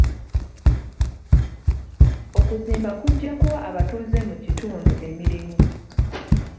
Okuzimba kujja kuwa abatuuze mu kitundu emirimu.